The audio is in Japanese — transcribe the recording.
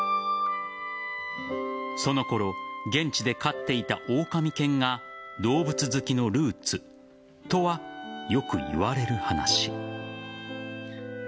そのころ、現地で飼っていたオオカミ犬が動物好きのルーツとはよくいわれる話。